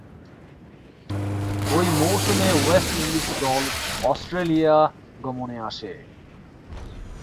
ঐ মৌসুমে West Indies দল অস্ট্রেলিয়া গমনে আসে।